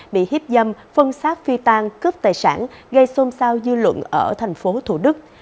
bị hiếp dâm phân xác phi tan cướp tài sản gây xôn xao dư luận ở thành phố thủ đức